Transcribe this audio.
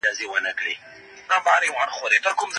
غږونه کولای شي ناروغ ته لارښوونه وکړي.